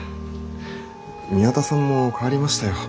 宮田さんも変わりましたよ。